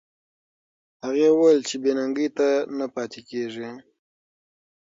هغې وویل چې بې ننګۍ ته نه پاتې کېږي.